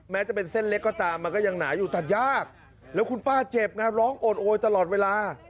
แม้จะเป็นเส้นเล็กก็ตามมันก็ยังหนาอยู่ตัดยากแล้วคุณป้าเจ็บไงร้องโอดโอยตลอดเวลา